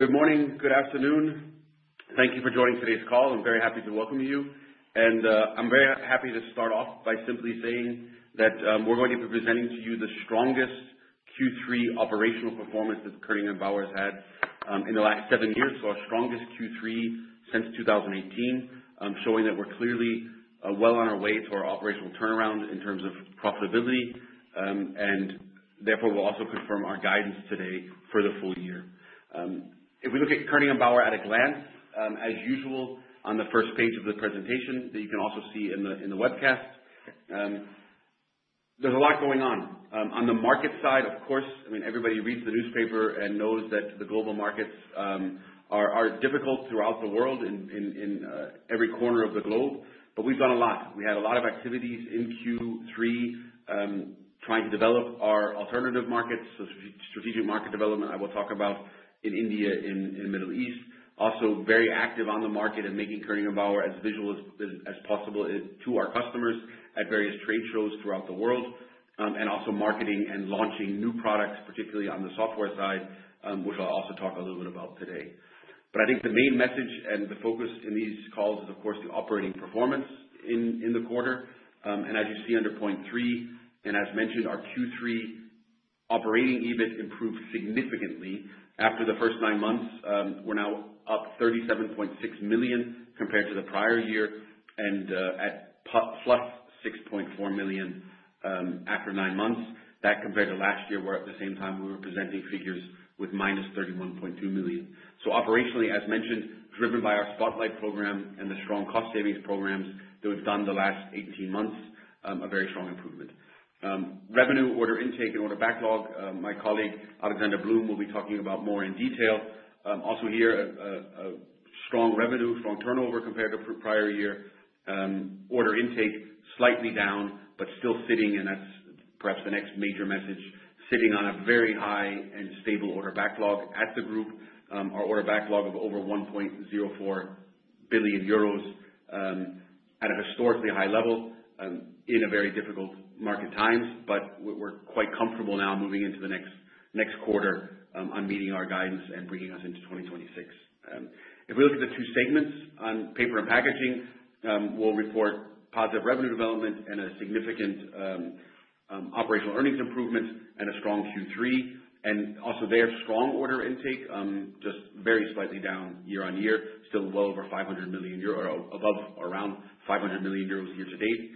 Good morning. Good afternoon. Thank you for joining today's call. I am very happy to welcome you. I am very happy to start off by simply saying that we are going to be presenting to you the strongest Q3 operational performance that Koenig & Bauer has had in the last seven years. Our strongest Q3 since 2018, showing that we are clearly well on our way to our operational turnaround in terms of profitability, we will also confirm our guidance today for the full year. If we look at Koenig & Bauer at a glance, as usual, on the first page of the presentation that you can also see in the webcast, there is a lot going on. On the market side, of course, everybody reads the newspaper and knows that the global markets are difficult throughout the world in every corner of the globe, but we have done a lot. We had a lot of activities in Q3, trying to develop our alternative markets. Strategic market development, I will talk about in India, in Middle East. Also very active on the market and making Koenig & Bauer as visual as possible to our customers at various trade shows throughout the world. Also marketing and launching new products, particularly on the software side, which I will also talk a little bit about today. I think the main message and the focus in these calls is, of course, the operating performance in the quarter. As you see under point three, as mentioned, our Q3 operating EBIT improved significantly after the first nine months. We are now up 37.6 million compared to the prior year and at plus 6.4 million after nine months. That compared to last year, where at the same time, we were presenting figures with minus 31.2 million. Operationally, as mentioned, driven by our Spotlight program and the strong cost savings programs that we have done the last 18 months, a very strong improvement. Revenue order intake and order backlog, my colleague, Alexander Blum, will be talking about more in detail. Also here, a strong revenue, strong turnover compared to prior year. Order intake slightly down, but still sitting, and that is perhaps the next major message, sitting on a very high and stable order backlog at the group. Our order backlog of over 1.04 billion euros at a historically high level in a very difficult market times, but we are quite comfortable now moving into the next quarter on meeting our guidance and bringing us into 2026. If we look at the two segments on paper and packaging, we will report positive revenue development and a significant operational earnings improvement and a strong Q3, also there, strong order intake, just very slightly down year-on-year. Still well over 500 million euros year to date.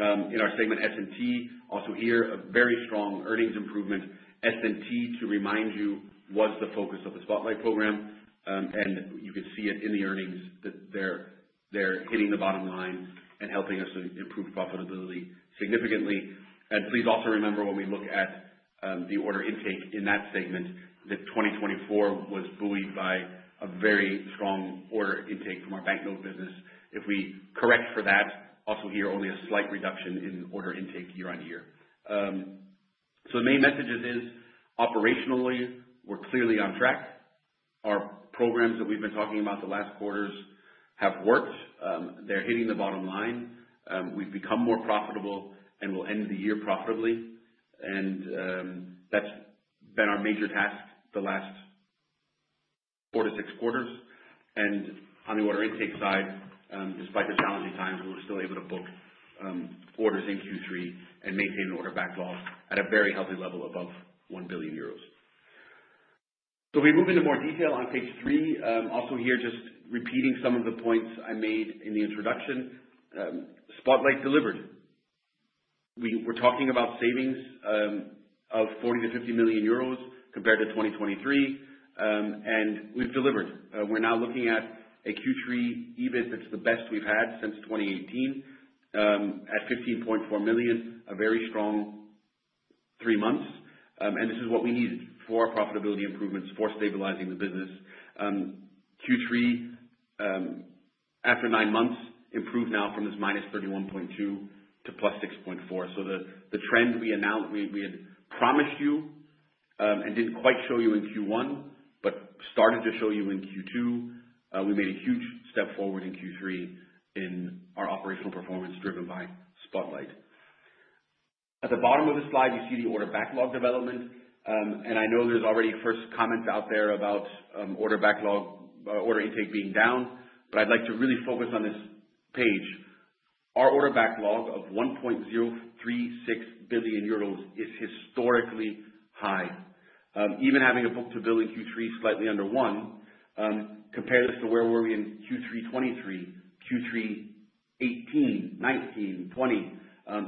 In our segment S&T, also here, a very strong earnings improvement. S&T, to remind you, was the focus of the Spotlight program, you could see it in the earnings that they are hitting the bottom line and helping us improve profitability significantly. Please also remember when we look at the order intake in that segment, that 2024 was buoyed by a very strong order intake from our banknote business. If we correct for that, also here, only a slight reduction in order intake year-on-year. The main message is, operationally, we are clearly on track. Our programs that we've been talking about the last quarters have worked. They're hitting the bottom line. We've become more profitable and will end the year profitably. That's been our major task the last four to six quarters. On the order intake side, despite the challenging times, we were still able to book orders in Q3 and maintain order backlogs at a very healthy level above 1 billion euros. We move into more detail on page 3. Also here, just repeating some of the points I made in the introduction. Spotlight delivered. We were talking about savings of 40 million to 50 million euros compared to 2023. We've delivered. We're now looking at a Q3 EBIT that's the best we've had since 2018, at 15.4 million, a very strong three months. This is what we needed for our profitability improvements, for stabilizing the business. Q3, after nine months, improved now from this minus 31.2 million to plus 6.4 million. The trend we had promised you, and didn't quite show you in Q1, but started to show you in Q2, we made a huge step forward in Q3 in our operational performance driven by Spotlight. At the bottom of the slide, you see the order backlog development. I know there's already first comments out there about order intake being down, but I'd like to really focus on this page. Our order backlog of 1.036 billion euros is historically high. Even having a book-to-bill in Q3 slightly under one. Compare this to where we were in Q3 2023, Q3 2018, 2019, 2020.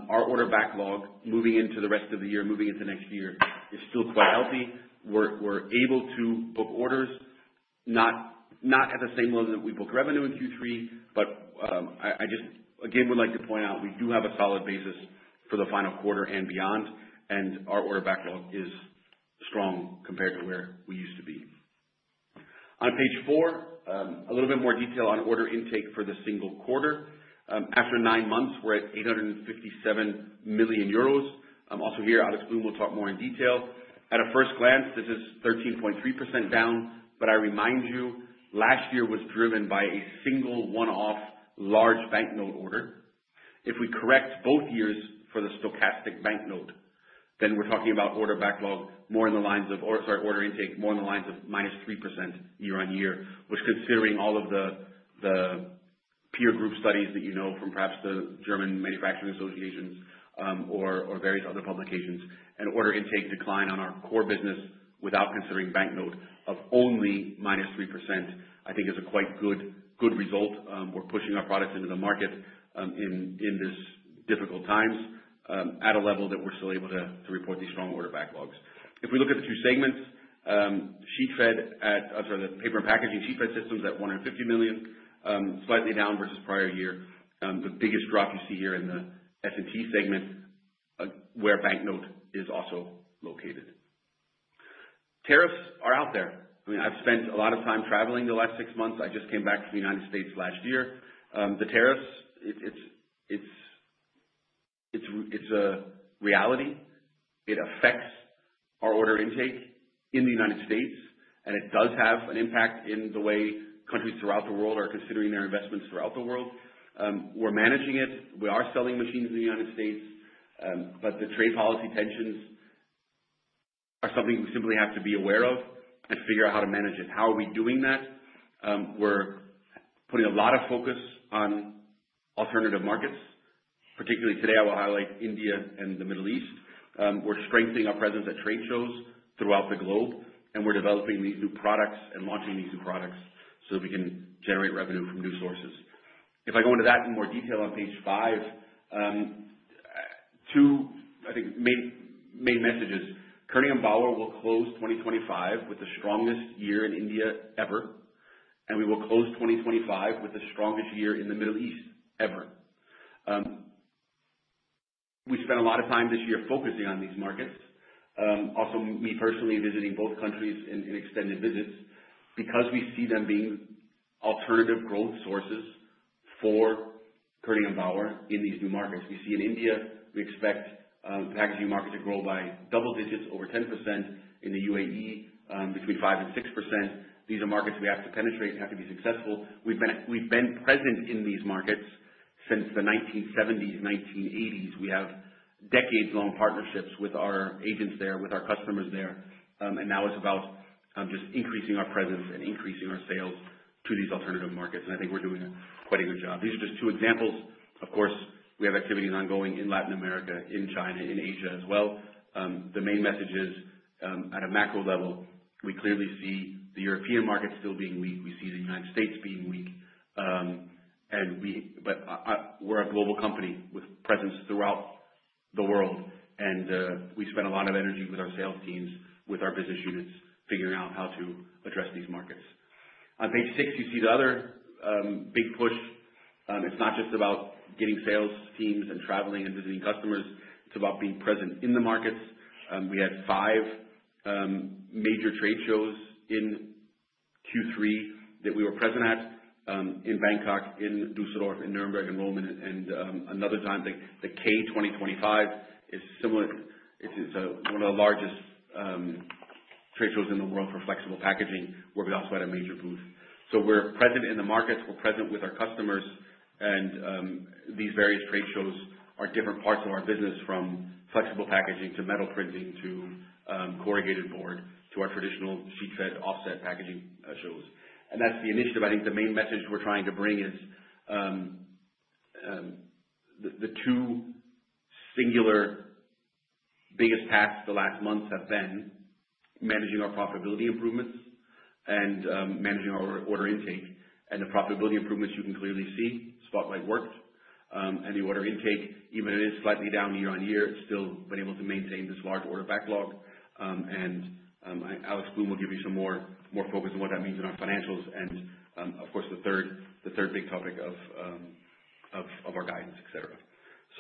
Our order backlog moving into the rest of the year, moving into next year, is still quite healthy. We're able to book orders, not at the same level that we book revenue in Q3, I just, again, would like to point out, we do have a solid basis for the final quarter and beyond. Our order backlog is strong compared to where we used to be. On page four, a little bit more detail on order intake for the single quarter. After nine months, we're at 857 million euros. Also here, Alex Blum will talk more in detail. At a first glance, this is 13.3% down, I remind you, last year was driven by a single one-off large banknote order. If we correct both years for the stochastic banknote, we're talking about order intake more in the lines of minus 3% year-on-year, which considering all of the peer group studies that you know from perhaps the German manufacturing associations or various other publications. Order intake decline on our core business without considering banknote of only minus 3%, I think is a quite good result. We're pushing our products into the market in this difficult times at a level that we're still able to report these strong order backlogs. If we look at the two segments, paper and packaging sheet fed systems at 150 million, slightly down versus prior year. The biggest drop you see here in the S&T segment, where banknote is also located. Tariffs are out there. I've spent a lot of time traveling the last six months. I just came back from the U.S. last year. The tariffs, it's a reality. It affects our order intake in the U.S., and it does have an impact in the way countries throughout the world are considering their investments throughout the world. We're managing it. We are selling machines in the U.S. The trade policy tensions are something we simply have to be aware of and figure out how to manage it. How are we doing that? We're putting a lot of focus on alternative markets. Particularly today, I will highlight India and the Middle East. We're strengthening our presence at trade shows throughout the globe, and we're developing these new products and launching these new products so we can generate revenue from new sources. If I go into that in more detail on page five, two, I think main messages. Koenig & Bauer will close 2025 with the strongest year in India ever, and we will close 2025 with the strongest year in the Middle East ever. We spent a lot of time this year focusing on these markets. Me personally visiting both countries in extended visits because we see them being alternative growth sources for Koenig & Bauer in these new markets. We see in India, we expect the packaging market to grow by double digits, over 10%. In the UAE, between 5%-6%. These are markets we have to penetrate and have to be successful. We've been present in these markets since the 1970s, 1980s. We have decades-long partnerships with our agents there, with our customers there. Now it's about just increasing our presence and increasing our sales to these alternative markets, and I think we're doing quite a good job. These are just two examples. Of course, we have activities ongoing in Latin America, in China, in Asia as well. The main message is at a macro level, we clearly see the European market still being weak. We see the U.S. being weak. We're a global company with presence throughout the world and we spend a lot of energy with our sales teams, with our business units, figuring out how to address these markets. On page six, you see the other big push. It's not just about getting sales teams and traveling and visiting customers. It's about being present in the markets. We had five major trade shows in Q3 that we were present at, in Bangkok, in Düsseldorf, in Nuremberg and Radebeul. Another time, the K 2025 is one of the largest trade shows in the world for flexible packaging, where we also had a major booth. We're present in the markets, we're present with our customers, and these various trade shows are different parts of our business, from flexible packaging to metal printing to corrugated board to our traditional sheet fed offset packaging shows. That's the initiative. I think the main message we're trying to bring is, the two singular biggest tasks the last month have been managing our profitability improvements and managing our order intake. The profitability improvements, you can clearly see Spotlight worked. The order intake, even it is slightly down year-on-year, still been able to maintain this large order backlog. Alex Blum will give you some more focus on what that means in our financials and of course, the third big topic of our guidance, et cetera.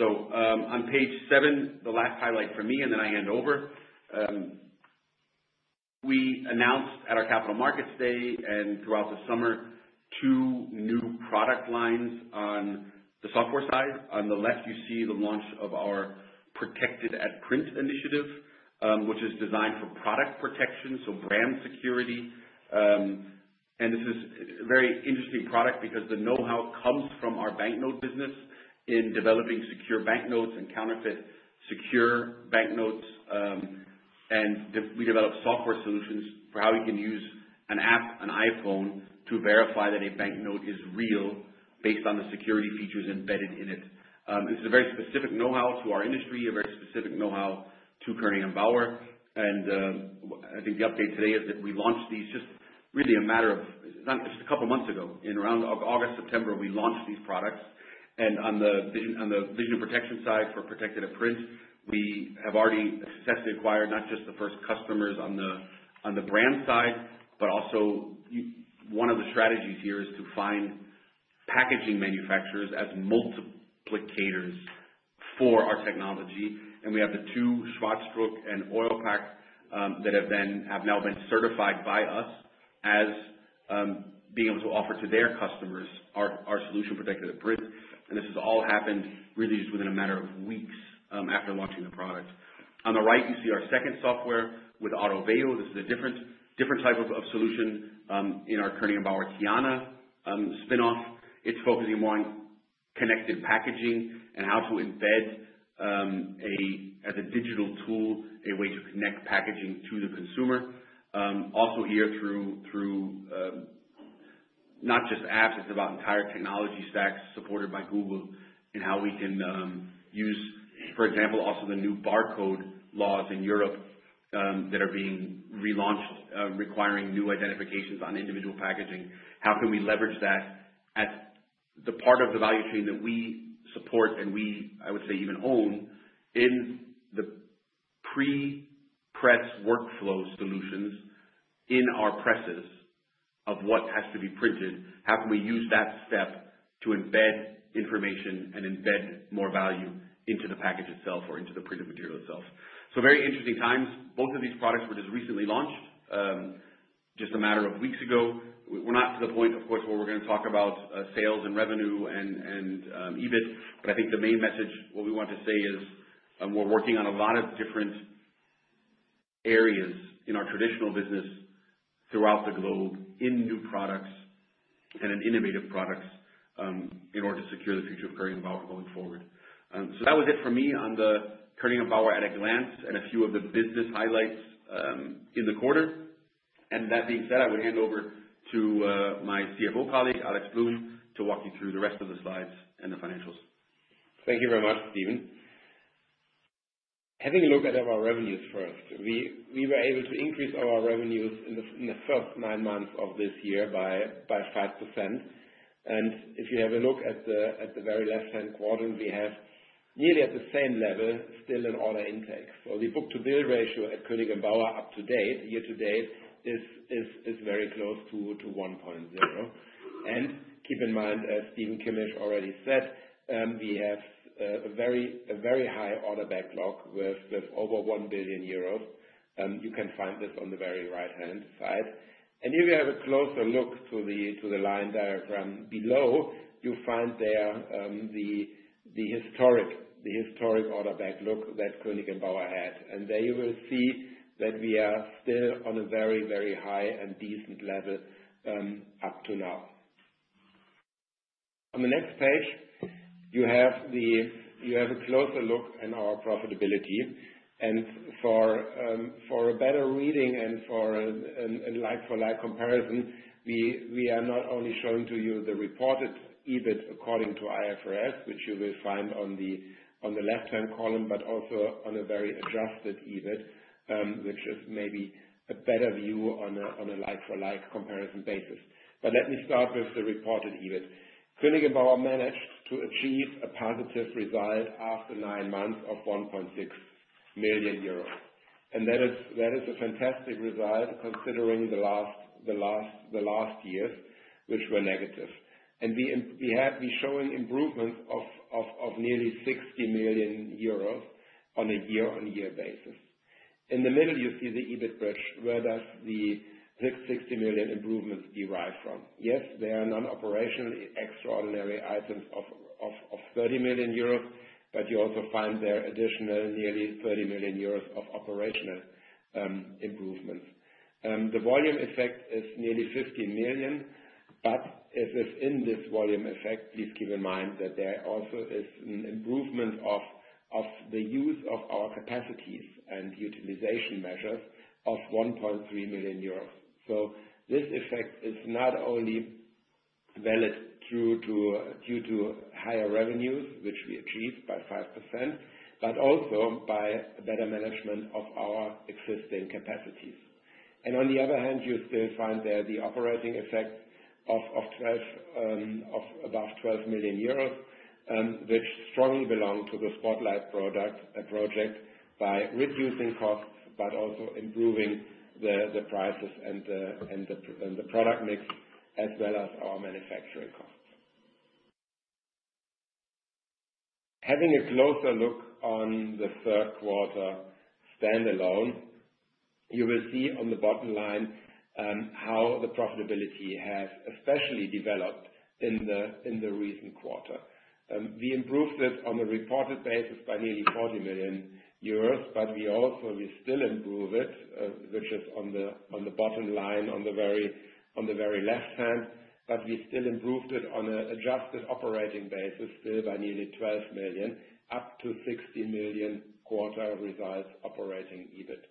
On page seven, the last highlight for me, and then I hand over. We announced at our Capital Markets Day and throughout the summer, two new product lines on the software side. On the left, you see the launch of our Protected at Print initiative, which is designed for product protection, so brand security. This is a very interesting product because the know-how comes from our banknote business in developing secure banknotes and counterfeit-secure banknotes. We developed software solutions for how you can use an app, an iPhone, to verify that a banknote is real based on the security features embedded in it. This is a very specific know-how to our industry, a very specific know-how to Koenig & Bauer. I think the update today is that we launched these just a couple of months ago. In around August, September, we launched these products. On the vision and protection side for Protected at Print, we have already successfully acquired not just the first customers on the brand side, but also one of the strategies here is to find packaging manufacturers as multiplicators for our technology. We have the two, Schwarz Druck and Iopak, that have now been certified by us as being able to offer to their customers our solution Protected at Print. This has all happened really just within a matter of weeks after launching the product. On the right, you see our second software with AURAVEO. This is a different type of solution in our Koenig & Bauer Kyana spinoff. It's focusing on connected packaging and how to embed, as a digital tool, a way to connect packaging to the consumer. Here through not just apps, it's about entire technology stacks supported by Google and how we can use, for example, also the new barcode laws in Europe, that are being relaunched, requiring new identifications on individual packaging. How can we leverage that at the part of the value chain that we support and we, I would say even own, in the pre-press workflow solutions in our presses of what has to be printed. How can we use that step to embed information and embed more value into the package itself or into the printed material itself? Very interesting times. Both of these products were just recently launched, just a matter of weeks ago. We're not to the point, of course, where we're going to talk about sales and revenue and EBIT. I think the main message, what we want to say is we're working on a lot of different areas in our traditional business throughout the globe in new products and in innovative products, in order to secure the future of Koenig & Bauer going forward. That was it for me on the Koenig & Bauer at a glance and a few of the business highlights in the quarter. That being said, I would hand over to my CFO colleague, Alex Blum, to walk you through the rest of the slides and the financials. Thank you very much, Stephen. Having a look at our revenues first. We were able to increase our revenues in the first nine months of this year by 5%. If you have a look at the very left-hand quadrant, we have nearly at the same level, still an order intake. The book-to-bill ratio at Koenig & Bauer up to date, year-to-date, is very close to 1.0. Keep in mind, as Stephen Kimmich already said, we have a very high order backlog worth over 1 billion euros. You can find this on the very right-hand side. If you have a closer look to the line diagram below, you find there the historic order backlog that Koenig & Bauer had. There you will see that we are still on a very high and decent level up to now. On the next page, you have a closer look in our profitability. For a better reading and for a like-for-like comparison, we are not only showing to you the reported EBIT according to IFRS, which you will find on the left-hand column, but also on a very adjusted EBIT, which is maybe a better view on a like-for-like comparison basis. Let me start with the reported EBIT. Koenig & Bauer managed to achieve a positive result after nine months of 1.6 million euros. That is a fantastic result considering the last years, which were negative. We're showing improvements of nearly 60 million euros on a year-on-year basis. In the middle, you see the EBIT bridge. Where does the 60 million improvements derive from? Yes, there are non-operation extraordinary items of 30 million euros, but you also find there additional nearly 30 million euros of operational improvements. The volume effect is nearly 50 million, but it is in this volume effect, please keep in mind that there also is an improvement of the use of our capacities and utilization measures of 1.3 million euros. This effect is not only valid due to higher revenues, which we achieved by 5%, but also by better management of our existing capacities. On the other hand, you still find there the operating effect of above 12 million euros, which strongly belong to the Spotlight project by reducing costs, but also improving the prices and the product mix as well as our manufacturing costs. Having a closer look on the third quarter standalone, you will see on the bottom line, how the profitability has especially developed in the recent quarter. We improved this on a reported basis by nearly 40 million euros, but we still improve it, which is on the bottom line on the very left hand, but we still improved it on an adjusted operating basis, still by nearly 12 million up to 60 million quarter results operating EBIT,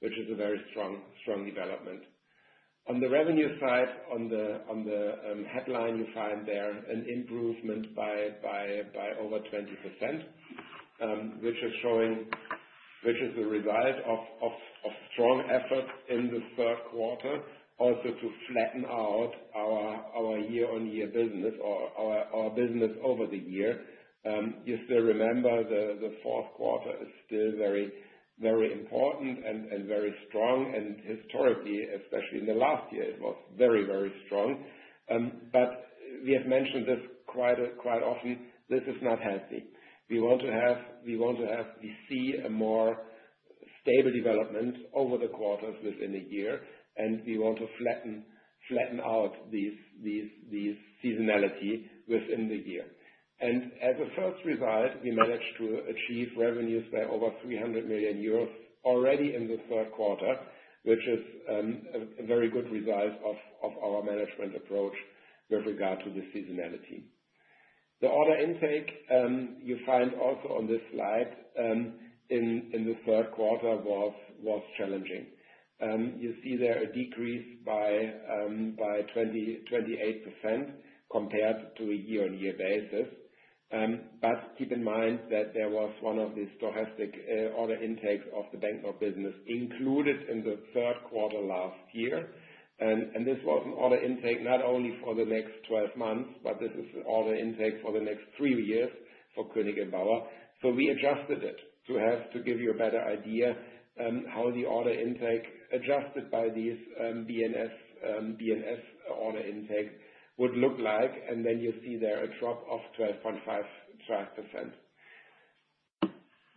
which is a very strong development. On the revenue side, on the headline, you find there an improvement by over 20%, which is a result of strong efforts in the third quarter, also to flatten out our year-on-year business or our business over the year. You still remember the fourth quarter is still very important and very strong. Historically, especially in the last year, it was very strong. But we have mentioned this quite often. This is not healthy. We want to see a more stable development over the quarters within a year, we want to flatten out these seasonality within the year. As a first result, we managed to achieve revenues by over 300 million euros already in the third quarter, which is a very good result of our management approach with regard to the seasonality. The order intake, you find also on this slide, in the third quarter was challenging. You see there a decrease by 28% compared to a year-on-year basis. Keep in mind that there was one of the stochastic order intakes of the BNS included in the third quarter last year. This was an order intake not only for the next 12 months, but this is order intake for the next three years for Koenig & Bauer. We adjusted it to give you a better idea how the order intake adjusted by these BNS order intake would look like, you see there a drop of 12.5%.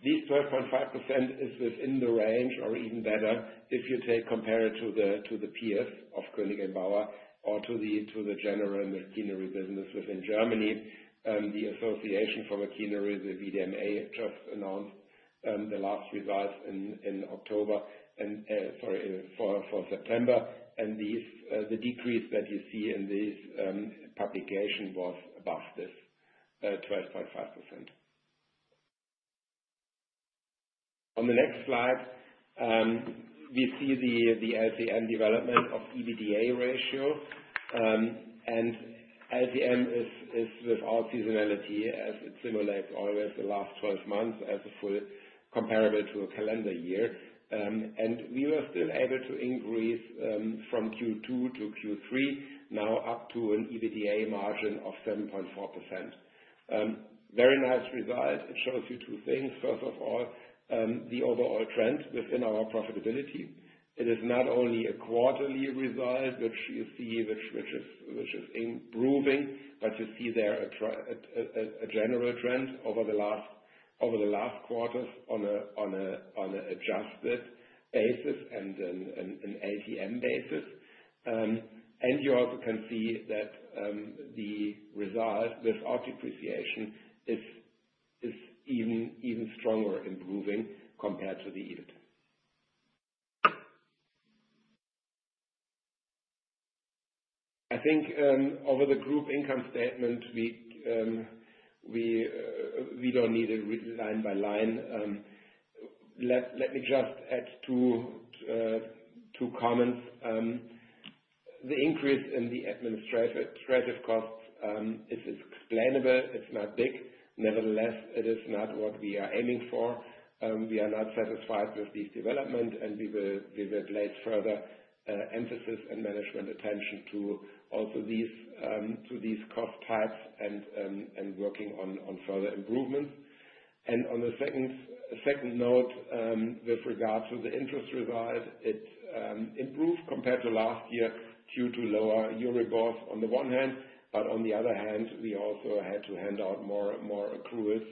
This 12.5% is within the range or even better if you compare it to the peers of Koenig & Bauer or to the general machinery businesses in Germany. The Association for Machinery, the VDMA, just announced the last results for September, the decrease that you see in this publication was about this 12.5%. On the next slide, we see the LTM development of EBITDA ratio. LTM is without seasonality as it simulates always the last 12 months as a full comparable to a calendar year. We were still able to increase from Q2 to Q3, now up to an EBITDA margin of 7.4%. Very nice result. It shows you two things. First of all, the overall trend within our profitability. It is not only a quarterly result, which you see which is improving, but you see there a general trend over the last quarters on a adjusted basis and an LTM basis. You also can see that the result without depreciation is even stronger improving compared to the EBIT. I think, over the group income statement, we don't need a line by line. Let me just add two comments. The increase in the administrative costs is explainable. It's not big. Nevertheless, it is not what we are aiming for. We are not satisfied with this development, we will place further emphasis and management attention to these cost types and working on further improvements. On the second note, with regards to the interest result, it improved compared to last year due to lower Euribor on the one hand, on the other hand, we also had to hand out more guarantees.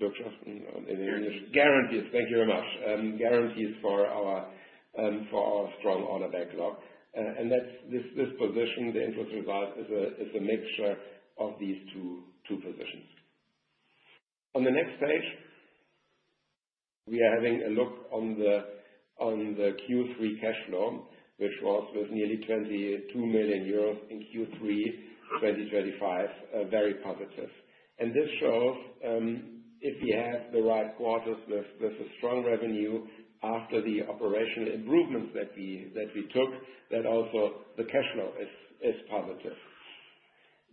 Thank you very much. Guarantees for our strong order backlog. This position, the interest result, is a mixture of these two positions. On the next page, we are having a look on the Q3 cash flow, which was with nearly 22 million euros in Q3 2025, very positive. This shows, if we have the right quarters with a strong revenue after the operational improvements that we took, that also the cash flow is positive.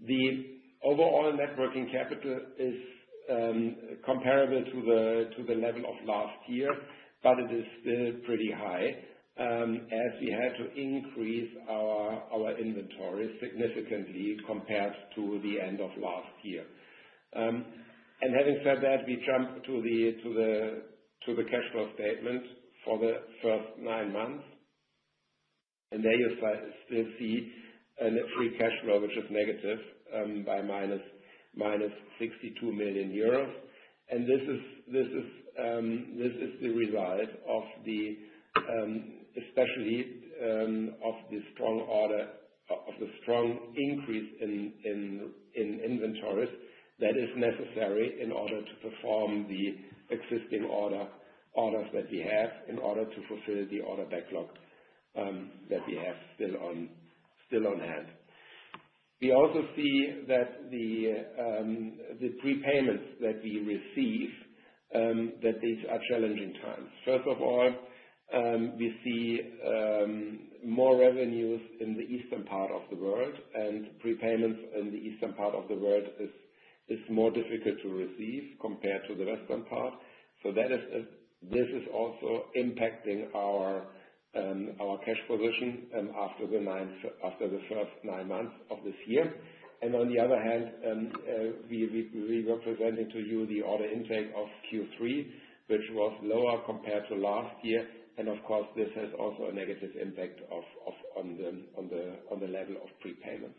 The overall net working capital is comparable to the level of last year, but it is still pretty high, as we had to increase our inventory significantly compared to the end of last year. Having said that, we jump to the cash flow statement for the first nine months. There you still see a net free cash flow, which is negative by 62 million euros. This is the result of the strong increase in inventories that is necessary in order to perform the existing orders that we have in order to fulfill the order backlog that we have still on hand. We also see that the prepayments that we receive, that these are challenging times. First of all, we see more revenues in the eastern part of the world. Prepayments in the eastern part of the world is more difficult to receive compared to the western part. This is also impacting our cash position after the first nine months of this year. On the other hand, we were presenting to you the order intake of Q3, which was lower compared to last year. Of course, this has also a negative impact on the level of prepayments.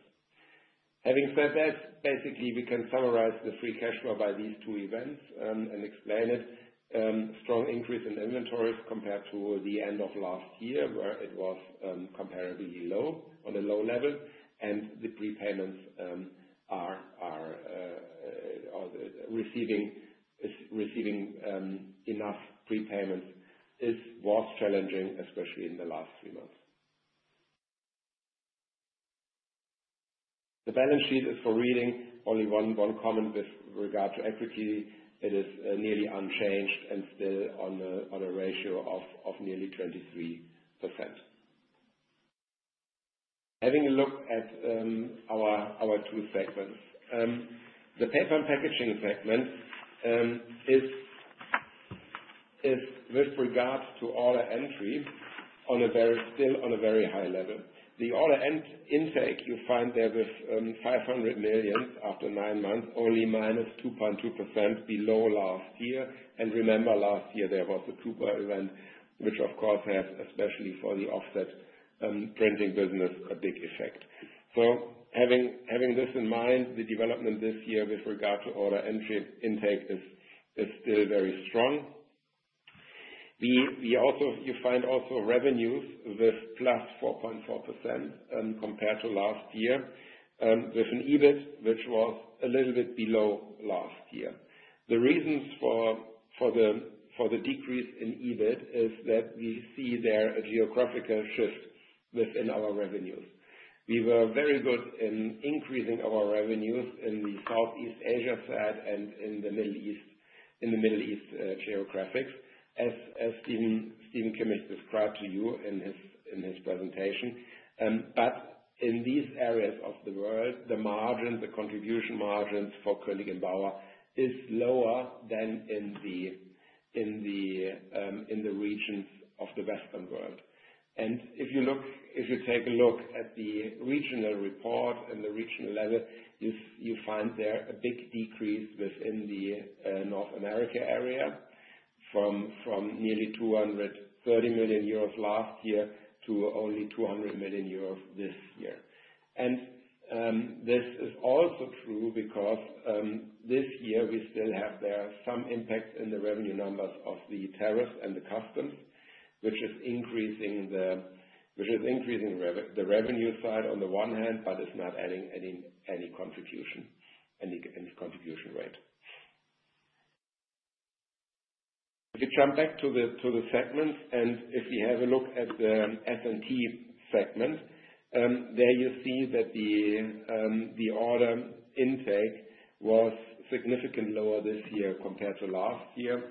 Having said that, basically, we can summarize the free cash flow by these two events and explain it. Strong increase in inventories compared to the end of last year, where it was comparatively low, on a low level. The prepayments are receiving enough prepayments. It was challenging, especially in the last three months. The balance sheet is for reading. Only one comment with regard to equity. It is nearly unchanged and still on a ratio of nearly 23%. Having a look at our two segments. The Paper and Packaging segment is with regard to order entry, still on a very high level. The order intake you find there with 500 million after nine months, only -2.2% below last year. Remember last year there was a drupa event, which, of course, had, especially for the offset printing business, a big effect. Having this in mind, the development this year with regard to order intake is still very strong. You find also revenues with +4.4% compared to last year, with an EBIT which was a little bit below last year. The reasons for the decrease in EBIT is that we see there a geographical shift within our revenues. We were very good in increasing our revenues in the Southeast Asia side and in the Middle East geographics, as Stephen Kimmich described to you in his presentation. In these areas of the world, the contribution margins for Koenig & Bauer is lower than in the regions of the Western world. If you take a look at the regional report and the regional level, you find there a big decrease within the North America area from nearly 230 million euros last year to only 200 million euros this year. This is also true because this year we still have there some impact in the revenue numbers of the tariff and the customs, which is increasing the revenue side on the one hand, but it is not adding any contribution rate. If you jump back to the segments, if we have a look at the S&T segment, there you see that the order intake was significantly lower this year compared to last year.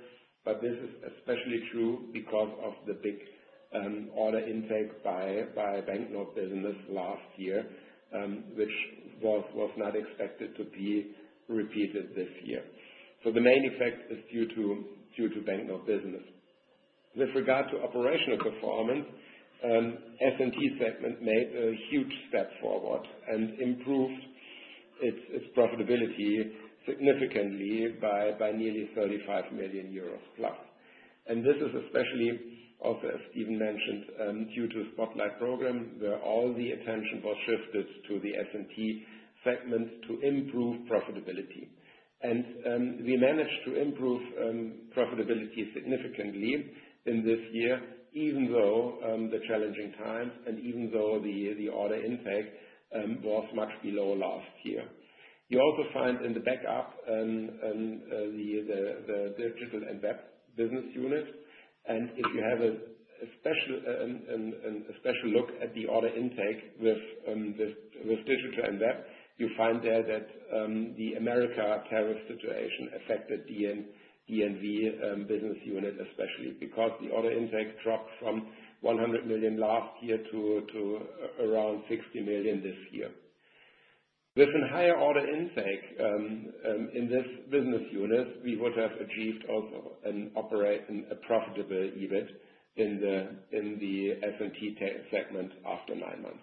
This is especially true because of the big order intake by banknote business last year, which was not expected to be repeated this year. The main effect is due to banknote business. With regard to operational performance, S&T Segment made a huge step forward and improved its profitability significantly by nearly 35 million euros plus. This is especially, also as Stephen mentioned, due to Spotlight Program, where all the attention was shifted to the S&T Segment to improve profitability. We managed to improve profitability significantly in this year, even though the challenging times and even though the order intake was much below last year. You also find in the backup the Digital and Web business unit. If you have a special look at the order intake with Digital and Web, you find there that the U.S. tariff situation affected D&W Business Unit, especially because the order intake dropped from 100 million last year to around 60 million this year. With a higher order intake, in this business unit, we would have achieved also a profitable EBIT in the S&T Segment after nine months.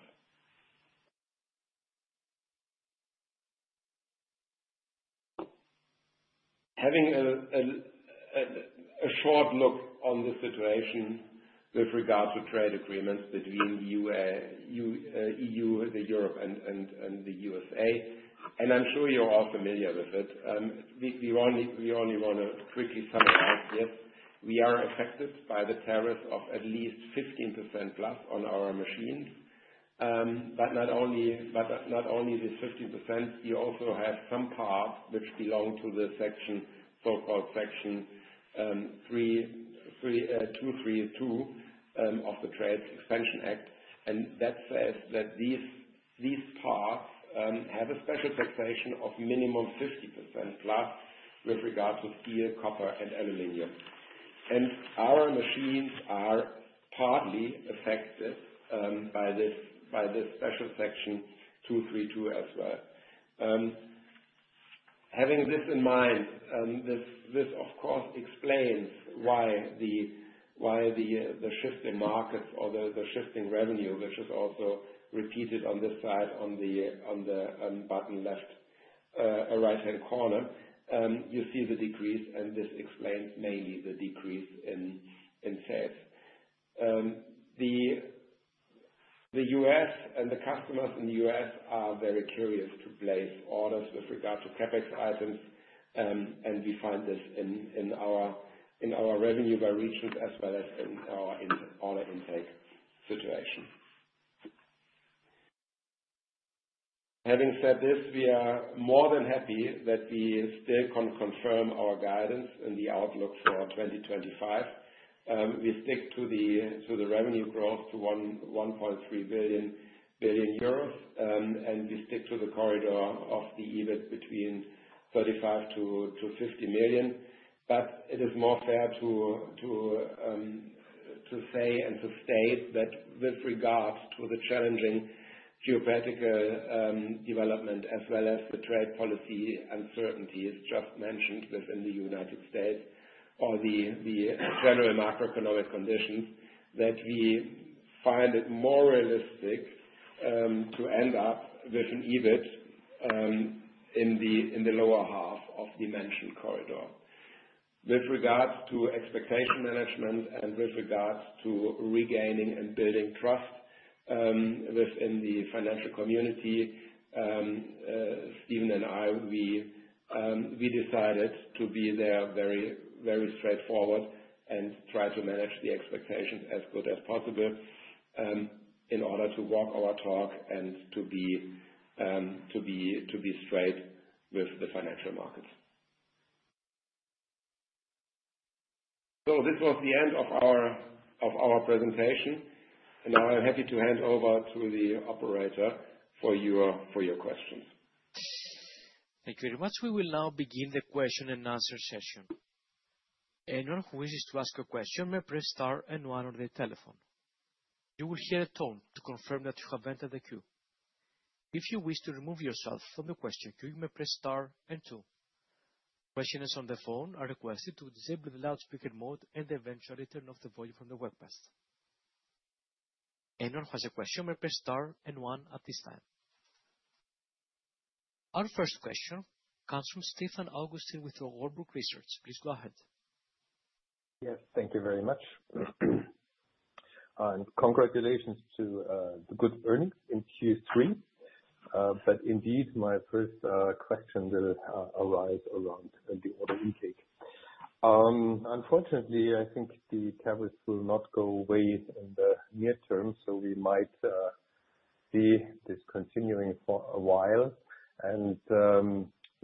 Having a short look on the situation with regard to trade agreements between the EU and the U.S. I'm sure you're all familiar with it. We only want to quickly summarize this. We are affected by the tariff of at least 15% plus on our machines. Not only the 15%, we also have some parts which belong to the so-called Section 232, of the Trade Expansion Act. That says that these parts have a special taxation of minimum 50% plus with regard to steel, copper, and aluminum. Our machines are partly affected by this special Section 232 as well. Having this in mind, this of course explains why the shift in markets or the shift in revenue, which is also repeated on this side on the bottom right-hand corner. You see the decrease, and this explains mainly the decrease in sales. The U.S. and the customers in the U.S. are very curious to place orders with regard to CapEx items, and we find this in our revenue by regions as well as in our order intake situation. Having said this, we are more than happy that we still can confirm our guidance and the outlook for 2025. We stick to the revenue growth to 1.3 billion, and we stick to the corridor of the EBIT between 35 million-50 million. It is more fair to say and to state that with regards to the challenging geopolitical development as well as the trade policy uncertainty, as just mentioned, within the United States or the general macroeconomic conditions, that we find it more realistic to end up with an EBIT in the lower half of the mentioned corridor. With regards to expectation management and with regards to regaining and building trust within the financial community, Stephen and I, we decided to be there very straightforward and try to manage the expectations as good as possible in order to walk our talk and to be straight with the financial markets. This was the end of our presentation, and now I'm happy to hand over to the operator for your questions. Thank you very much. We will now begin the question and answer session. Anyone who wishes to ask a question may press star 1 on their telephone. You will hear a tone to confirm that you have entered the queue. If you wish to remove yourself from the question queue, you may press star 2. Questioners on the phone are requested to disable the loudspeaker mode and eventually turn off the volume from the webcast. Anyone who has a question may press star 1 at this time. Our first question comes from Stefan Augustin with Warburg Research. Please go ahead. Yes, thank you very much. Congratulations to the good earnings in Q3. Indeed, my first question will arise around the order intake. Unfortunately, I think the CapEx will not go away in the near term, so we might see this continuing for a while.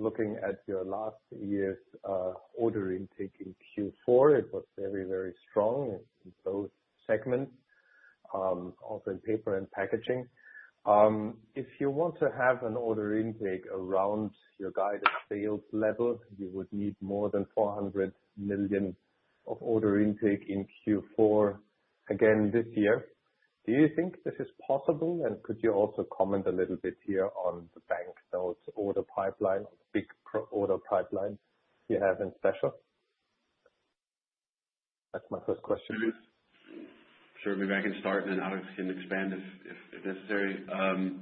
Looking at your last year's order intake in Q4, it was very, very strong in both segments, also in paper and packaging. If you want to have an order intake around your guided sales level, you would need more than 400 million of order intake in Q4 again this year. Do you think this is possible? Could you also comment a little bit here on the bank sales order pipeline, big order pipeline you have in special? That's my first question. Sure. Maybe I can start and Alex can expand if necessary. I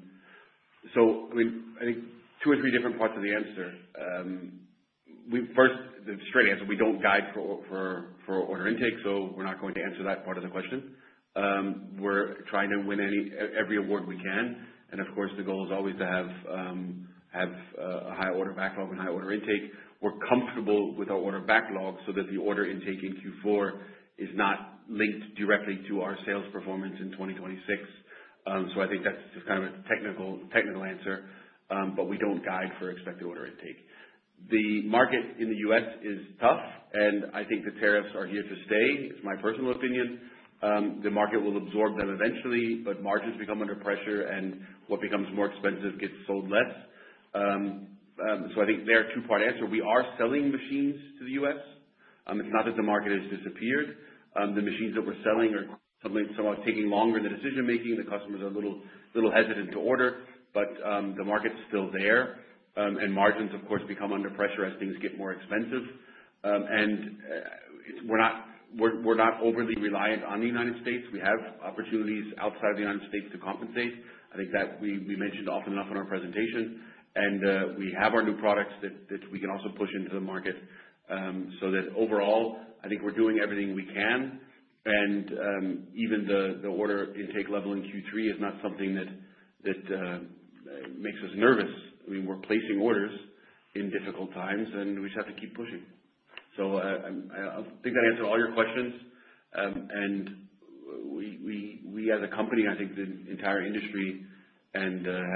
think two or three different parts of the answer. First, the straight answer, we don't guide for order intake, so we're not going to answer that part of the question. We're trying to win every award we can, and of course, the goal is always to have a high order backlog and high order intake. We're comfortable with our order backlog so that the order intake in Q4 is not linked directly to our sales performance in 2026. I think that's just kind of a technical answer, but we don't guide for expected order intake. The market in the U.S. is tough, and I think the tariffs are here to stay, is my personal opinion. The market will absorb them eventually, but margins become under pressure and what becomes more expensive gets sold less. I think there, a two-part answer. We are selling machines to the U.S. It's not that the market has disappeared. The machines that we're selling are somewhat taking longer in the decision-making. The customers are a little hesitant to order. The market's still there. Margins, of course, become under pressure as things get more expensive. We're not overly reliant on the United States. We have opportunities outside the United States to compensate. I think that we mentioned often enough in our presentation. We have our new products that we can also push into the market, so that overall, I think we're doing everything we can. Even the order intake level in Q3 is not something that makes us nervous. We're placing orders in difficult times, and we just have to keep pushing. I think I answered all your questions. We as a company, I think the entire industry has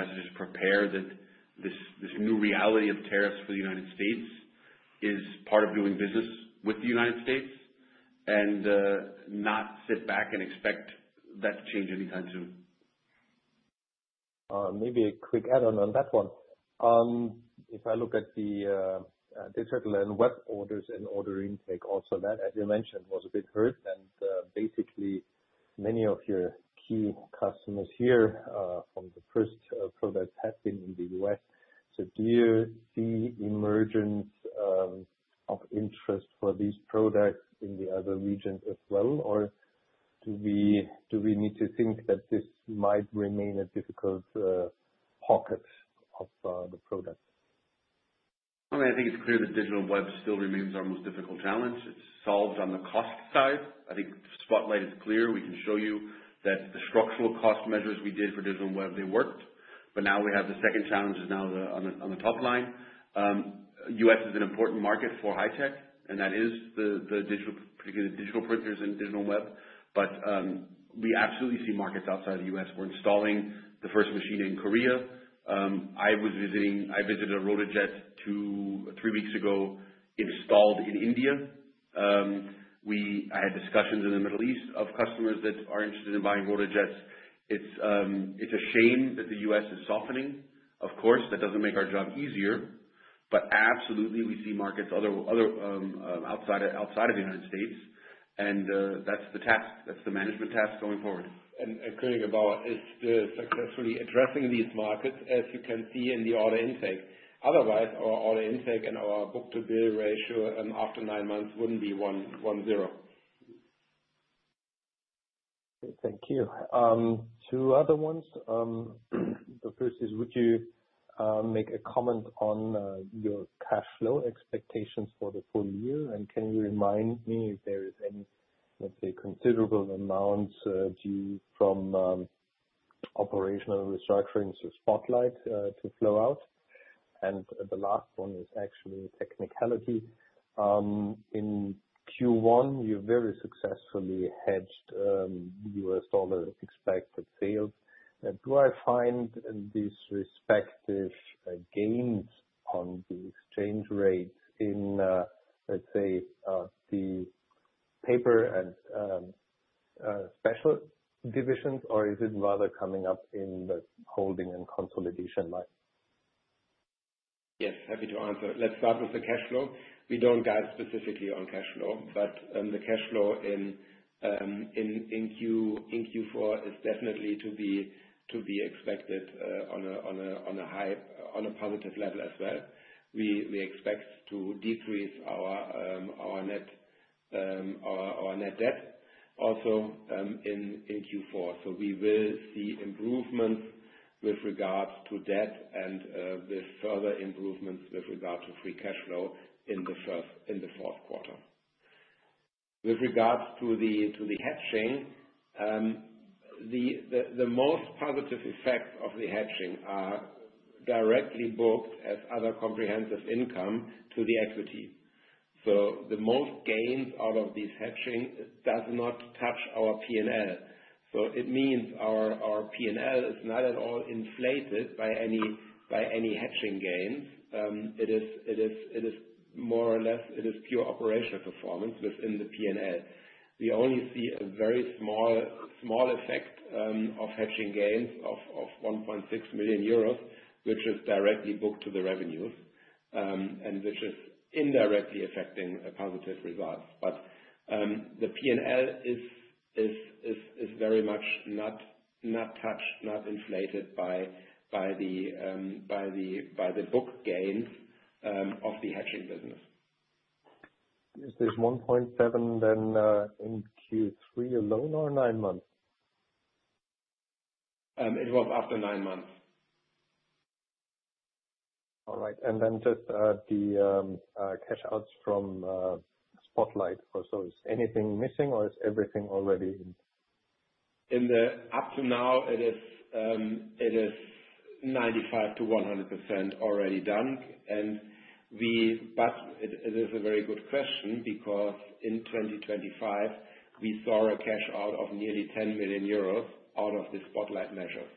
to just prepare this new reality of tariffs for the U.S. is part of doing business with the U.S. and not sit back and expect that to change anytime soon. Maybe a quick add-on on that one. If I look at the Digital & Webfed orders and order intake also, that, as you mentioned, was a bit hurt and basically many of your key customers here from the first products have been in the U.S. Do you see emergence of interest for these products in the other regions as well, or do we need to think that this might remain a difficult pocket of the product? I think it's clear that Digital & Webfed still remains our most difficult challenge. It's solved on the cost side. I think Spotlight is clear. We can show you that the structural cost measures we did for Digital & Webfed, they worked. Now we have the second challenge is now on the top line. U.S. is an important market for high tech, and that is the digital printers and Digital & Webfed. We absolutely see markets outside the U.S. We're installing the first machine in Korea. I visited RotaJET two, three weeks ago, installed in India. I had discussions in the Middle East of customers that are interested in buying RotaJETs. It's a shame that the U.S. is softening. Of course, that doesn't make our job easier. Absolutely, we see markets outside of the U.S., and that's the management task going forward. Koenig & Bauer is still successfully addressing these markets, as you can see in the order intake. Otherwise, our order intake and our book-to-bill ratio after nine months wouldn't be one zero. Thank you. Two other ones. The first is, would you make a comment on your cash flow expectations for the full year, and can you remind me if there is any, let's say, considerable amounts due from operational restructurings of Spotlight to flow out? The last one is actually a technicality. In Q1, you very successfully hedged U.S. dollar expected sales. Do I find these respective gains on the exchange rates in, let's say, the paper and special divisions, or is it rather coming up in the holding and consolidation line? Yes, happy to answer. Let's start with the cash flow. We don't guide specifically on cash flow, the cash flow in Q4 is definitely to be expected on a positive level as well. We expect to decrease our net debt also in Q4. We will see improvements with regards to debt and with further improvements with regard to free cash flow in the fourth quarter. With regards to the hedging, the most positive effects of the hedging are directly booked as other comprehensive income to the equity. The most gains out of this hedging does not touch our P&L. It means our P&L is not at all inflated by any hedging gains. More or less, it is pure operational performance within the P&L. We only see a very small effect of hedging gains of 1.6 million euros, which is directly booked to the revenues, and which is indirectly affecting positive results. The P&L is very much not touched, not inflated by the book gains of the hedging business. Is this 1.7 then in Q3 alone or nine months? It was after nine months. All right. Just the cash outs from Spotlight also. Is anything missing or is everything already in? Up to now, it is 95%-100% already done. It is a very good question because in 2025, we saw a cash out of nearly 10 million euros out of the Spotlight measures.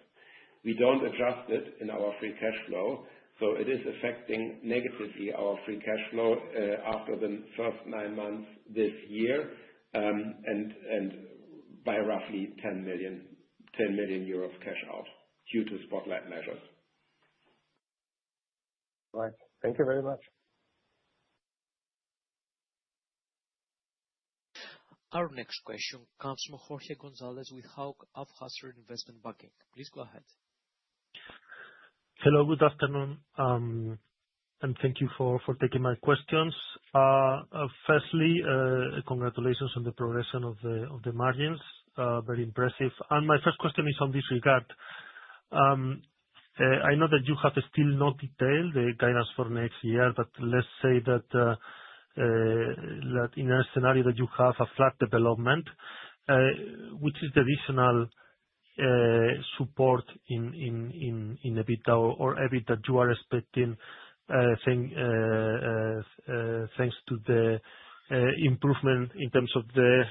We don't adjust it in our free cash flow, it is affecting negatively our free cash flow after the first nine months this year, and by roughly 10 million euros cash out due to Spotlight measures. All right. Thank you very much. Our next question comes from Jorge Gonzalez with Hauck Aufhäuser Investment Banking. Please go ahead. Hello, good afternoon, and thank you for taking my questions. Firstly, congratulations on the progression of the margins. Very impressive. My first question is on this regard. I know that you have still not detailed the guidance for next year, but let's say that in a scenario that you have a flat development, which is the additional support in EBITDA or EBIT that you are expecting, thanks to the improvement in terms of the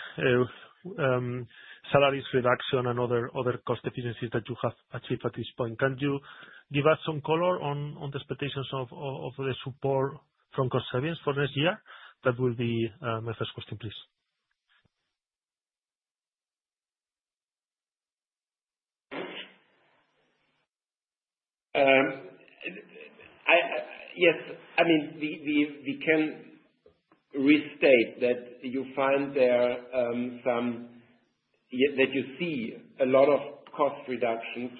salaries reduction and other cost efficiencies that you have achieved at this point. Can you give us some color on the expectations of the support from cost savings for next year? That will be my first question, please. Yes. We can restate that you see a lot of cost reductions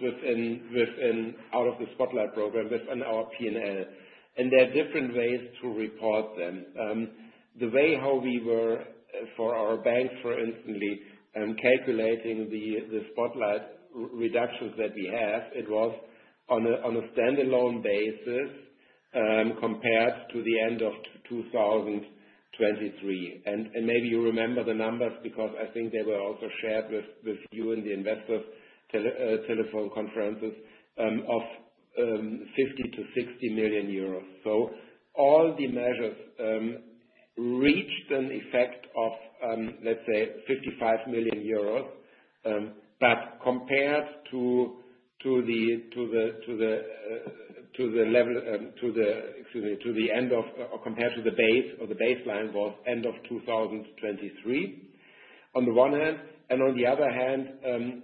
out of the Spotlight program within our P&L, there are different ways to report them. The way how we were, for our banks for instantly, calculating the Spotlight reductions that we have, it was on a standalone basis, compared to the end of 2023. Maybe you remember the numbers because I think they were also shared with you in the investor telephone conferences, of 50 million-60 million euros. All the measures reached an effect of, let's say, EUR 55 million. Compared to the base, or the baseline was end of 2023 on the one hand, on the other hand,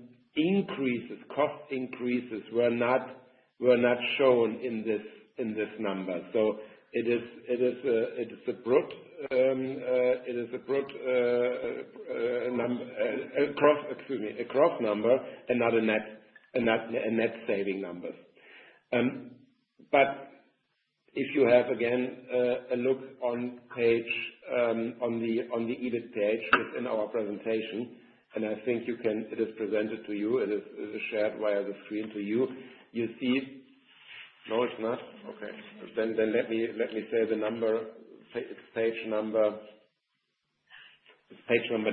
cost increases were not shown in this number. It is a gross number and not a net saving number. If you have, again, a look on the EBIT page within our presentation, I think it is presented to you, it is shared via the screen to you. You see No, it's not? Okay. Let me say the number. It's page number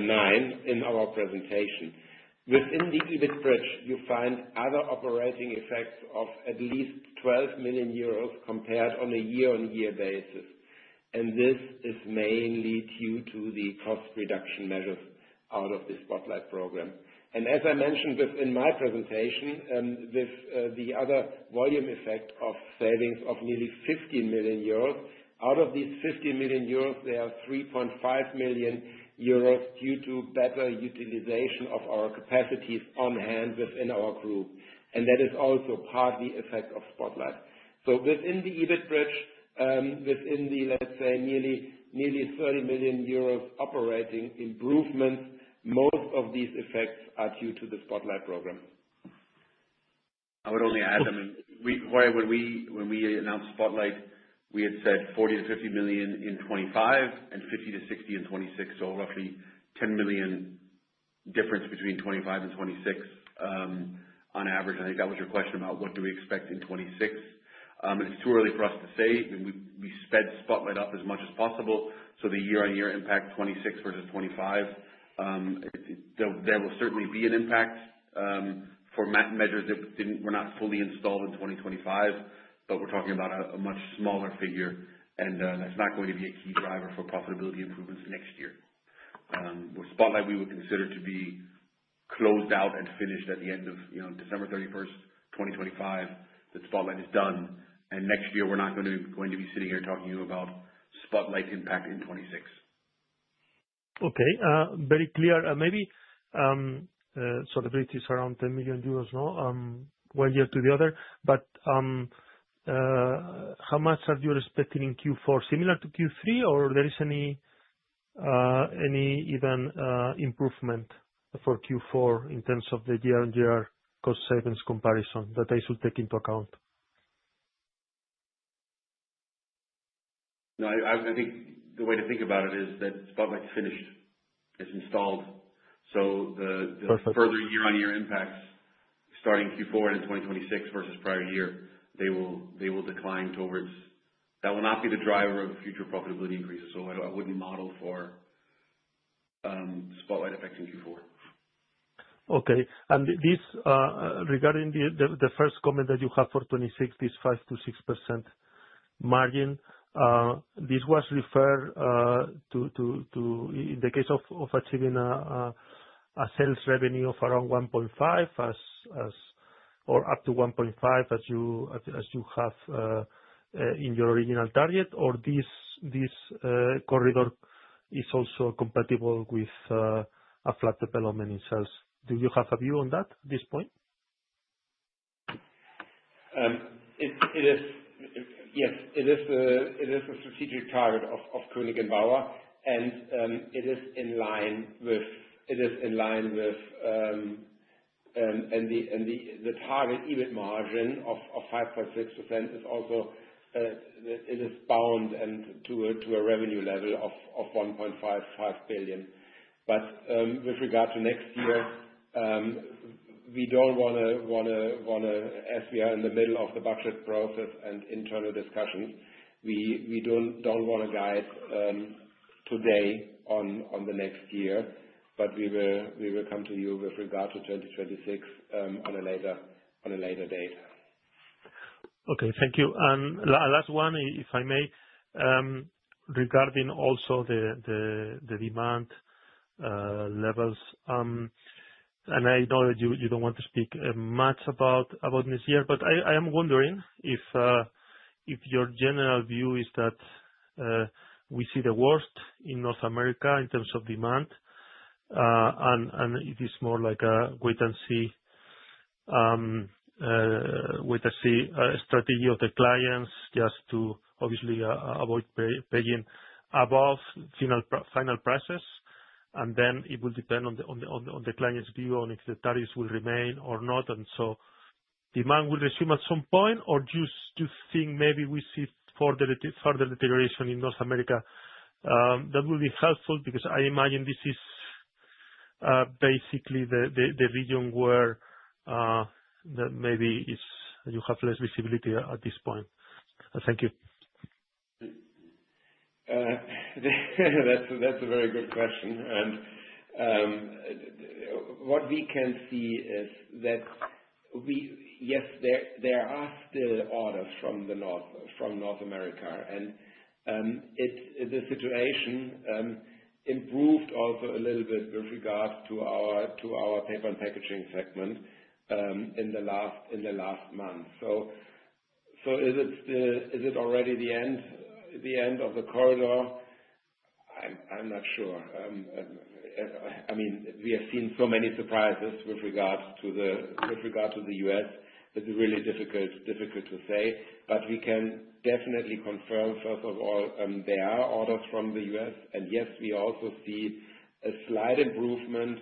nine in our presentation. Within the EBIT bridge, you find other operating effects of at least 12 million euros compared on a year-on-year basis. As I mentioned within my presentation, the other volume effect of savings of nearly 50 million euros, out of these 50 million euros, there are 3.5 million euros due to better utilization of our capacities on hand within our group. That is also partly effect of Spotlight. within the EBIT bridge, within the, let's say, nearly 30 million euros operating improvements, most of these effects are due to the Spotlight program. I would only add, when we announced Spotlight, we had said 40 million-50 million in 2025 and 50 million-60 million in 2026, so roughly 10 million difference between 2025 and 2026. On average, I think that was your question about what do we expect in 2026. It's too early for us to say. We sped Spotlight up as much as possible, so the year-on-year impact 2026 versus 2025, there will certainly be an impact, for measures that were not fully installed in 2025. We're talking about a much smaller figure, and that's not going to be a key driver for profitability improvements next year. With Spotlight, we would consider to be closed out and finished at the end of December 31, 2025. The Spotlight is done, and next year we're not going to be sitting here talking to you about Spotlight impact in 2026. Okay. Very clear. Maybe, the break is around 10 million euros now, one year to the other. How much are you expecting in Q4? Similar to Q3, or there is any even improvement for Q4 in terms of the year-on-year cost savings comparison that I should take into account? No, I think the way to think about it is that Spotlight's finished. It's installed. Perfect further year-on-year impacts starting Q4 into 2026 versus prior year, that will not be the driver of future profitability increases. I wouldn't model for Spotlight effects in Q4. Okay. Regarding the first comment that you have for 2026, this 5%-6% margin, this was referred to in the case of achieving a sales revenue of around 1.5 billion, or up to 1.5 billion as you have in your original target. This corridor is also compatible with a flat development in sales. Do you have a view on that at this point? Yes. It is a strategic target of Koenig & Bauer. The target EBIT margin of 5.6% is also bound to a revenue level of 1.55 billion. With regard to next year, we don't want to, as we are in the middle of the budget process and internal discussions, we don't want to guide today on the next year, but we will come to you with regard to 2026 on a later date. Okay, thank you. Last one, if I may, regarding also the demand levels. I know that you don't want to speak much about this year, but I am wondering if your general view is that we see the worst in North America in terms of demand, and it is more like a wait-and-see strategy of the clients just to obviously avoid paying above final prices, and then it will depend on the client's view on if the tariffs will remain or not, and so demand will resume at some point, or do you think maybe we see further deterioration in North America? That will be helpful because I imagine this is basically the region where maybe you have less visibility at this point. Thank you. That's a very good question. The situation improved also a little bit with regards to our paper and packaging segment, in the last month. Is it already the end of the corridor? I'm not sure. We have seen so many surprises with regards to the U.S. It's really difficult to say. We can definitely confirm, first of all, there are orders from the U.S., and yes, we also see a slight improvement,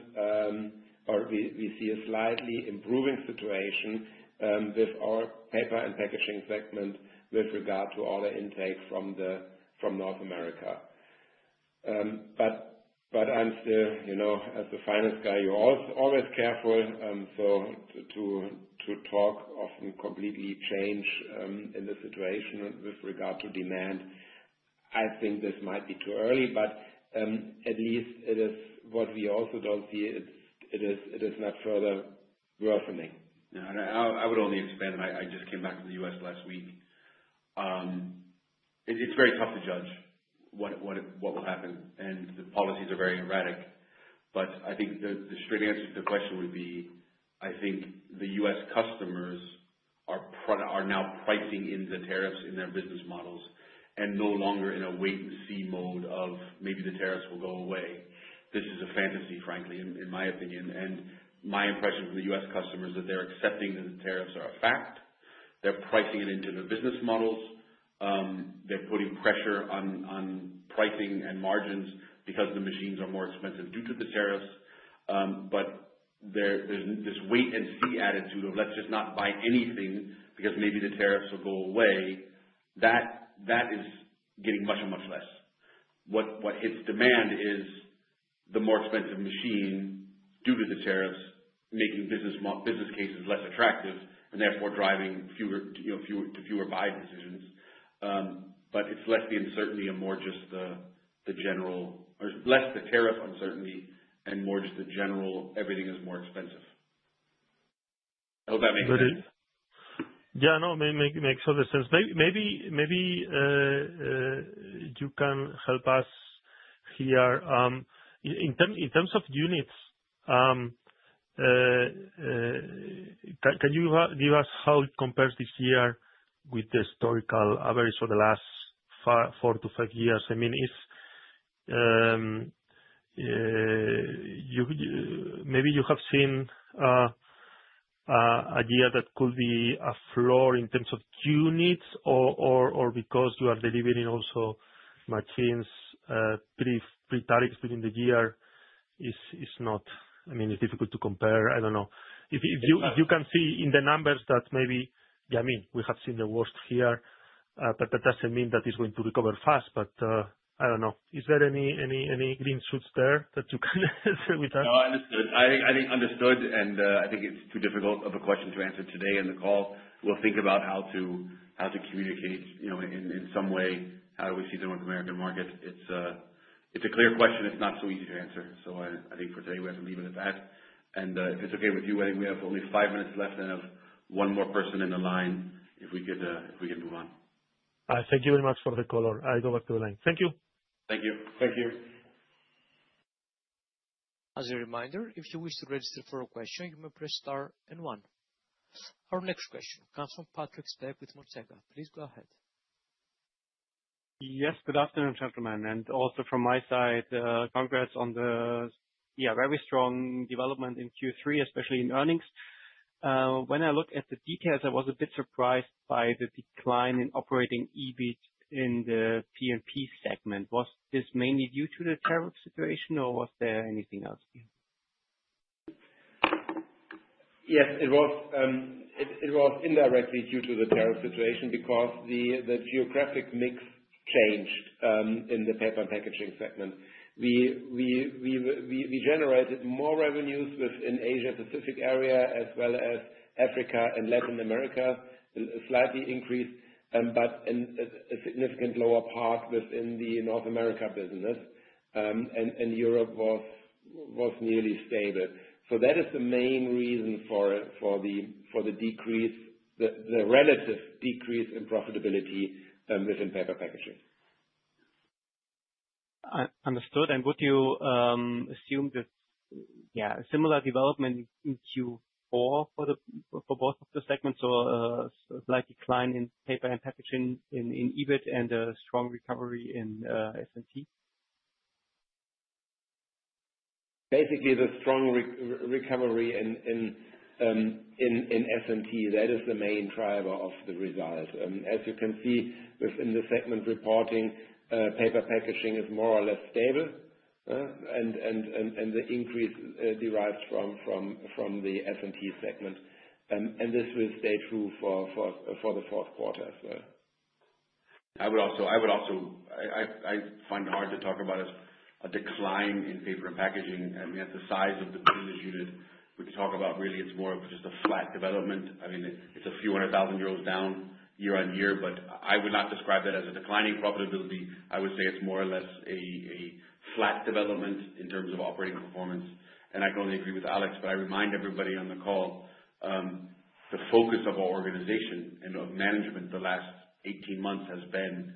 or we see a slightly improving situation with our paper and packaging segment with regard to order intake from North America. I'm still, as a finance guy, you're always careful. To talk of completely change in the situation with regard to demand, I think this might be too early. At least what we also don't see is it is not further worsening. No. I would only expand. I just came back from the U.S. last week. It's very tough to judge what will happen, and the policies are very erratic. I think the straight answer to the question would be, I think the U.S. customers are now pricing in the tariffs in their business models, and no longer in a wait-and-see mode of maybe the tariffs will go away. This is a fantasy, frankly, in my opinion, and my impression from the U.S. customers is that they're accepting that the tariffs are a fact. They're pricing it into their business models. They're putting pressure on pricing and margins because the machines are more expensive due to the tariffs. This wait-and-see attitude of let's just not buy anything because maybe the tariffs will go away, that is getting much, much less. What hits demand is the more expensive machine due to the tariffs making business cases less attractive, and therefore driving to fewer buy decisions. It's less the uncertainty, or less the tariff uncertainty, and more just the general everything is more expensive. I hope that makes sense. Makes a lot of sense. Maybe you can help us here. In terms of units, can you give us how it compares this year with the historical average for the last four to five years? Maybe you have seen a year that could be a floor in terms of units or because you are delivering also machines pre-tariffs during the year. It's difficult to compare. I don't know. If you can see in the numbers that maybe. We have seen the worst year, but that doesn't mean that it's going to recover fast. I don't know. Is there any green shoots there that you can share with us? Understood. I think understood, and I think it's too difficult of a question to answer today in the call. We'll think about how to communicate in some way how we see the North American market. It's a clear question. It's not so easy to answer. I think for today we have to leave it at that. If it's okay with you, I think we have only five minutes left and have one more person in the line if we can move on. Thank you very much for the call. I go back to the line. Thank you. Thank you. Thank you. As a reminder, if you wish to register for a question, you may press star and one. Our next question comes from Patrick Speck with Montega. Please go ahead. Yes. Good afternoon, gentlemen. Also from my side, congrats on the very strong development in Q3, especially in earnings. When I look at the details, I was a bit surprised by the decline in operating EBIT in the P&P segment. Was this mainly due to the tariff situation or was there anything else here? Yes, it was indirectly due to the tariff situation because the geographic mix changed in the paper and packaging segment. We generated more revenues within Asia Pacific area as well as Africa and Latin America, slightly increased, but a significant lower part within the North America business. Europe was nearly stable. That is the main reason for the relative decrease in profitability within paper packaging. Understood. Would you assume that a similar development in Q4 for both of the segments or a slight decline in paper and packaging in EBIT and a strong recovery in S&T? Basically, the strong recovery in S&T. That is the main driver of the results. As you can see within the segment reporting, paper packaging is more or less stable. The increase derives from the S&T segment. This will stay true for the fourth quarter as well. I find it hard to talk about a decline in paper and packaging. I mean, at the size of the business unit, we can talk about really it's more of just a flat development. It's a few 100,000 euros down year-on-year, but I would not describe it as a declining profitability. I would say it's more or less a flat development in terms of operating performance. I can only agree with Alex, but I remind everybody on the call, the focus of our organization and of management the last 18 months has been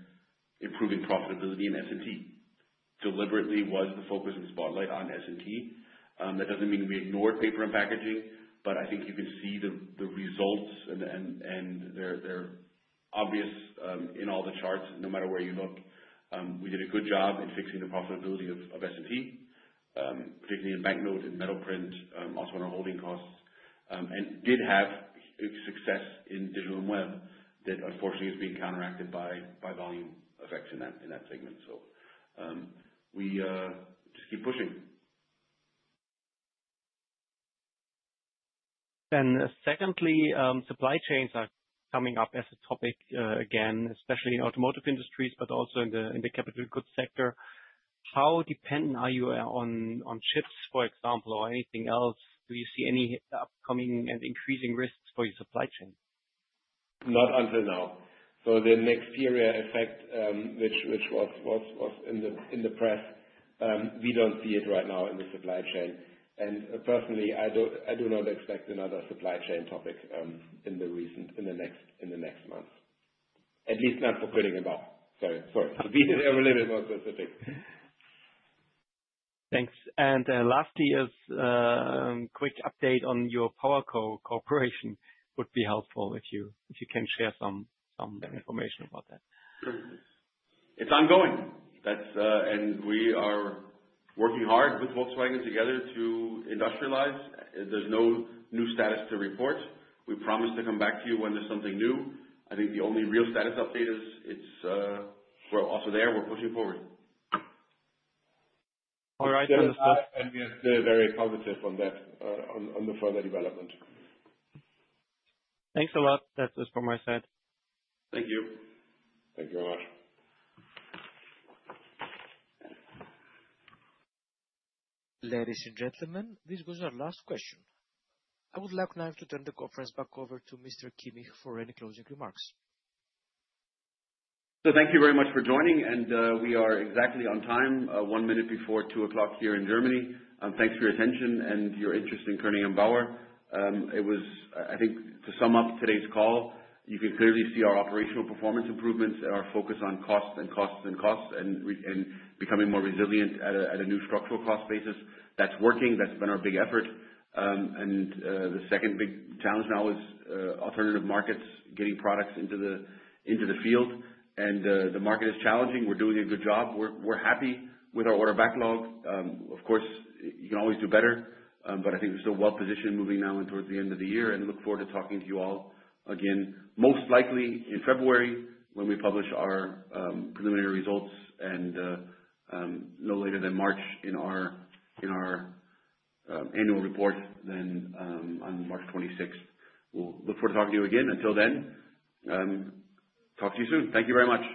improving profitability in S&T. Deliberately was the focus and Spotlight on S&T. That doesn't mean we ignored paper and packaging, but I think you can see the results and they're obvious in all the charts, no matter where you look. We did a good job in fixing the profitability of S&T, particularly in banknote and metal print, also on our holding costs. Did have big success in Digital & Webfed that unfortunately is being counteracted by volume effects in that segment. We just keep pushing. secondly, supply chains are coming up as a topic again, especially in automotive industries, but also in the capital goods sector. How dependent are you on chips, for example, or anything else? Do you see any upcoming and increasing risks for your supply chain? Not until now. The Nexperia effect, which was in the press, we don't see it right now in the supply chain. Personally, I do not expect another supply chain topic in the next month. At least not for Koenig & Bauer. Sorry. These are a little bit more specific. Thanks. Lastly is quick update on your PowerCo cooperation would be helpful if you can share some information about that. It's ongoing. We are working hard with Volkswagen together to industrialize. There's no new status to report. We promise to come back to you when there's something new. I think the only real status update is we're also there. We're pushing forward. All right. We are still very positive on the further development. Thanks a lot. That's just from my side. Thank you. Thank you very much. Ladies and gentlemen, this was our last question. I would like now to turn the conference back over to Mr. Kimmich for any closing remarks. Thank you very much for joining, and we are exactly on time, one minute before two o'clock here in Germany. Thanks for your attention and your interest in Koenig & Bauer. I think to sum up today's call, you can clearly see our operational performance improvements and our focus on costs and costs and costs, and becoming more resilient at a new structural cost basis. That's working. That's been our big effort. The second big challenge now is alternative markets, getting products into the field. The market is challenging. We're doing a good job. We're happy with our order backlog. Of course, you can always do better, but I think we're still well-positioned moving now and towards the end of the year and look forward to talking to you all again, most likely in February when we publish our preliminary results and no later than March in our annual report then on March 26th. We'll look forward to talking to you again. Until then, talk to you soon. Thank you very much.